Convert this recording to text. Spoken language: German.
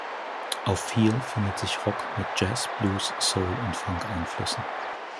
Auf "Feel" findet sich Rock mit Jazz-, Blues-, Soul- und Funk-Einflüssen.